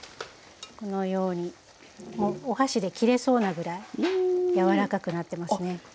このようにお箸で切れそうなぐらい柔らかくなってますね。